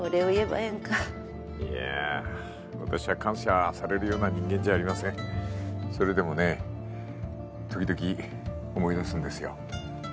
えんかいや私は感謝されるような人間じゃありませんそれでもね時々思い出すんですよ